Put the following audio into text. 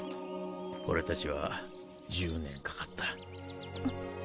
俺たちは１０年かかった。